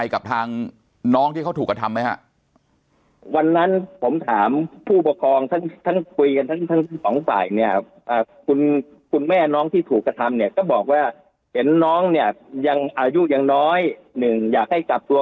๒คนที่มาเนี่ยผมให้เขียนใบราออกแล้ว